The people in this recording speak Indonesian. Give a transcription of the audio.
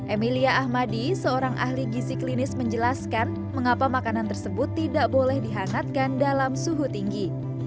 emilia ahmadi seorang ahli gisi klinis menjelaskan mengapa makanan tersebut tidak boleh dihangatkan dalam suhu tinggi